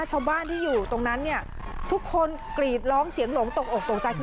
ชำบ้านที่อยู่ตรงนั้นทุกคนกรีบร้องเสียงหลงตกออกตกใจ